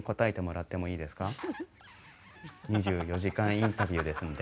２４時間インタビューですので。